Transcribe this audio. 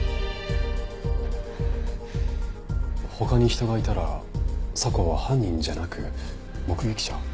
「他に人がいたら佐向は犯人じゃなく目撃者？」